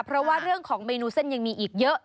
เพราะว่าเรื่องของเมนูเส้นยังมีอีกเยอะ